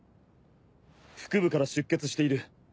腹部から出血している。